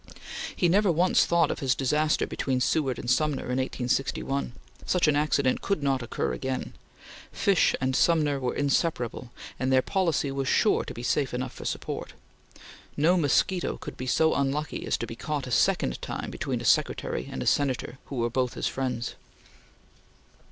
He never once thought of his disaster between Seward and Sumner in 1861. Such an accident could not occur again. Fish and Sumner were inseparable, and their policy was sure to be safe enough for support. No mosquito could be so unlucky as to be caught a second time between a Secretary and a Senator who were both his friends.